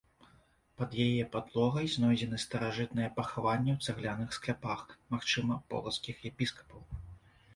Пад яе падлогай знойдзены старажытныя пахаванні ў цагляных скляпах, магчыма, полацкіх епіскапаў.